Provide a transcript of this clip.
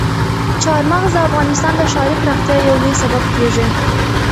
چار مغز د افغانستان د ښاري پراختیا یو لوی سبب کېږي.